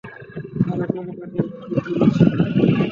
তাহলে তুমি তাদের কি দিয়েছ?